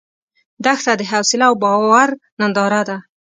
دښته د حوصله او باور ننداره ده.